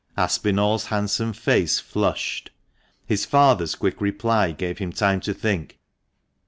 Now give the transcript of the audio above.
Aspinall's handsome face flushed. His father's quick reply gave him time to think.